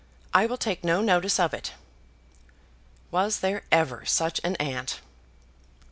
I will take no notice of it." Was there ever such an aunt?